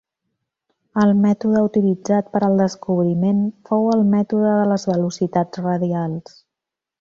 El mètode utilitzat per al descobriment fou el mètode de les velocitats radials.